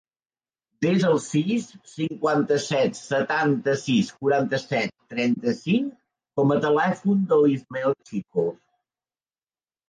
Desa el sis, cinquanta-set, setanta-sis, quaranta-set, trenta-cinc com a telèfon de l'Ismael Chico.